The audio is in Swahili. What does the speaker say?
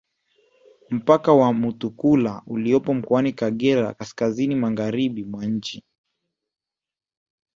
Mpaka wa Mutukula uliopo mkoani Kagera kaskazini magharibi mwa nchi